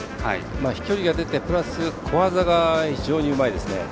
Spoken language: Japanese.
飛距離が出て、プラス小技が非常にうまいですね。